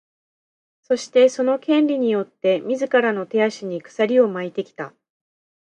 そして、その「権利」によって自らの手足に鎖を巻いてきた。